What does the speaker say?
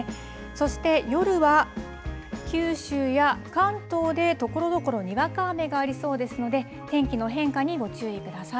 そして、夜は九州や関東でところどころにわか雨がありそうですので天気の変化にご注意ください。